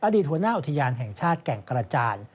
หัวหน้าอุทยานแห่งชาติแก่งกระจาน